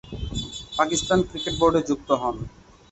Pakistan cricket বোর্ডে যুক্ত হন।